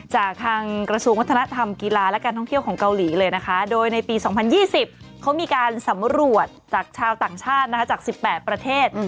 จากทางกระทรวงวัฒนธรรมกีฬาและการท่องเที่ยวของเกาหลีเลยนะคะโดยในปี๒๐๒๐เขามีการสำรวจจากชาวต่างชาติจาก๑๘ประเทศ